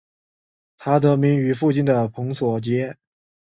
它得名于附近的蓬索街。